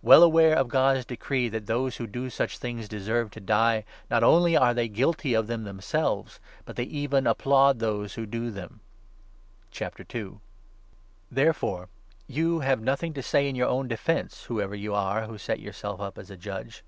Well aware 32 of God's decree, that those who do such things deserve to die, not only are they guilty of them themselves, but they even applaud those who do them. Therefore you have nothing to say in your own defence, i whoever you are who set yourself up as a judge.